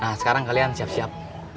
nah sekarang kalian siap siap